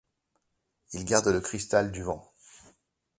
Il garde le Cristal du Vent.